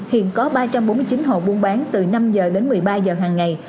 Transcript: hiện có ba trăm bốn mươi chín hồ buôn bán từ năm h đến một mươi ba giờ hàng ngày